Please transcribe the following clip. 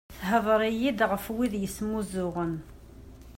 Theddreḍ-iyi-d ɣef wid yesmuzzuɣen.